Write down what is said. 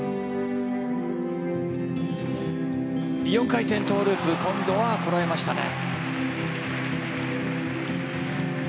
４回転トウループ今度はこらえましたね。